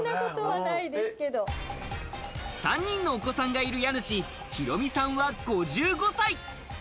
３人のお子さんがいる家主・裕美さんは５５歳。